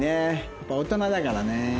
やっぱ大人だからね。